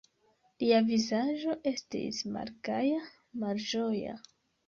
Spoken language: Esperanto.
Lia vizaĝo estis malgaja, malĝoja.